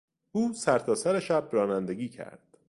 او سرتاسر شب رانندگی کرد.